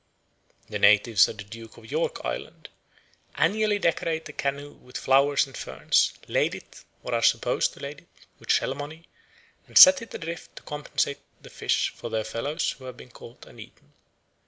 The natives of the Duke of York Island annually decorate a canoe with flowers and ferns, lade it, or are supposed to lade it, with shell money, and set it adrift to compensate the fish for their fellows who have been caught and eaten.